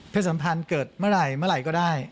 สัมพันธ์เกิดเมื่อไหร่เมื่อไหร่ก็ได้